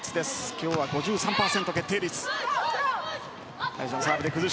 今日は５３％という決定率。